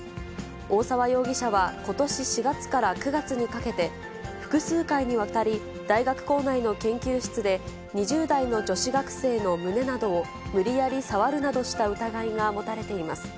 大沢容疑者はことし４月から９月にかけて、複数回にわたり、大学構内の研究室で、２０代の女子学生の胸などを無理やり触るなどした疑いが持たれています。